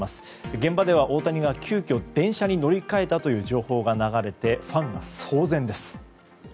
現場では大谷が急きょ電車に乗り換えたという情報が流れファンが騒然です。